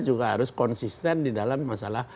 juga harus konsisten di dalam masalah